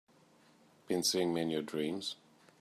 Been seeing me in your dreams?